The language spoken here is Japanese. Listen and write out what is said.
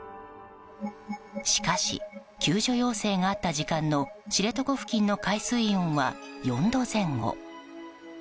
しかし救助要請があった時間の知床付近の海水温は、４度前後。